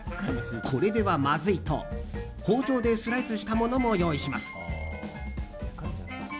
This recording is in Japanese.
これでは、まずいと包丁でスライスしたものも用意します。